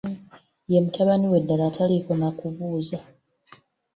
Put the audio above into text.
Ye mutabani we ddala ataliiko na kubuuza.